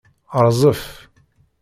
Rzef.